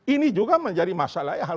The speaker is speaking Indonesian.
ini juga menjadi masalah